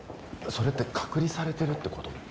それって隔離されてるってこと？